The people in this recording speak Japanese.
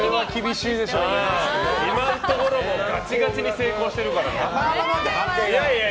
今のところガチガチに成功してるからね。